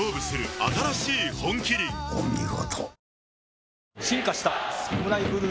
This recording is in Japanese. お見事。